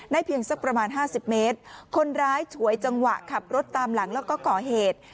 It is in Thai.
เพียงสักประมาณห้าสิบเมตรคนร้ายฉวยจังหวะขับรถตามหลังแล้วก็ก่อเหตุ